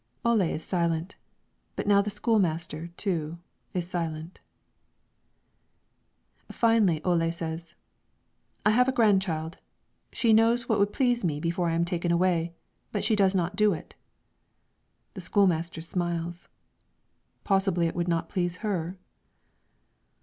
Ole is silent; but now the school master, too, is silent. Finally Ole says: "I have a grandchild; she knows what would please me before I am taken away, but she does not do it." The school master smiles. "Possibly it would not please her?"